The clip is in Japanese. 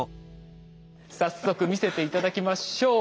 早速見せて頂きましょう。